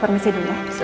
masih di sini ya